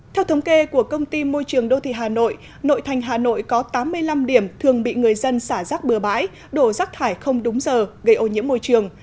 theo thống kê của công ty môi trường đô thị hà nội nội thành hà nội có tám mươi năm điểm thường bị người dân xả rác bừa bãi đổ rác thải không đúng giờ gây ô nhiễm môi trường